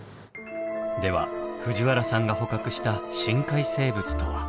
では藤原さんが捕獲した深海生物とは。